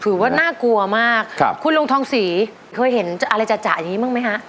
ว่าน่ากลัวมากครับคุณลุงทองศรีเคยเห็นอะไรจัดจะอย่างนี้บ้างไหมฮะ